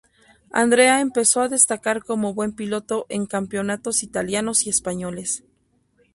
Andrea empezó a destacar como buen piloto en campeonatos italianos y españoles.